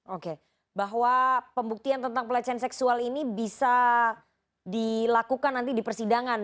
oke bahwa pembuktian tentang pelecehan seksual ini bisa dilakukan nanti di persidangan